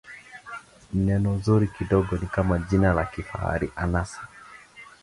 neno zuri kidogo ni kama jina la kifahari anasa